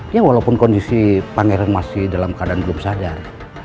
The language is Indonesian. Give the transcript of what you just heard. ya walaupun kondisi pangeran masih dalam keadaan belum sadar